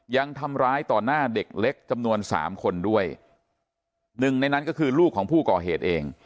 ยังทำร้ายต่อหน้าเด็กเล็กจำนวนสามคนด้วยหนึ่งในนั้นก็คือลูกของผู้ก่อเหตุเอง